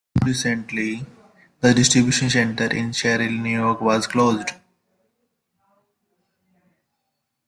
Most recently, the distribution center in Sherrill, New York was closed.